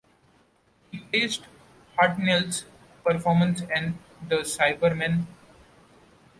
He praised Hartnell's performance and the Cybermen.